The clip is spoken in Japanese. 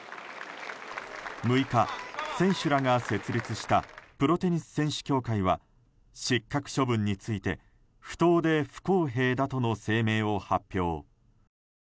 ６日、選手らが設立したプロテニス選手協会は失格処分について不当で不公平だとの声明を発表。